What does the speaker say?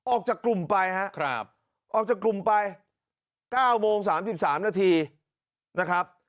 ออกจากกลุ่มไปครับออกจากกลุ่มไป๙โมง๓๓นาทีนะครับ